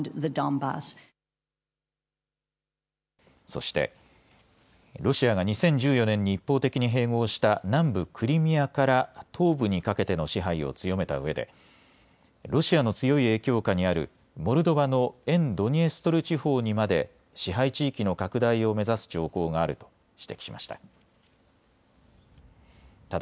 そして、ロシアが２０１４年に一方的に併合した南部クリミアから東部にかけての支配を強めたうえでロシアの強い影響下にあるモルドバの沿ドニエストル地方にまで支配地域の拡大を目指す兆候があると指摘しました。